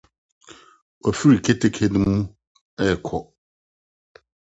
Wɔafi keteke no mu rekɔ.